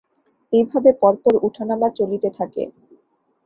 এইভাবে পর পর ওঠা-নামা চলিতে থাকে।